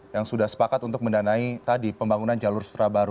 yang sudah sepakat untuk mendanai tadi pembangunan jalur sutra baru